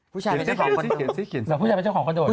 กินแล้วไม่รู้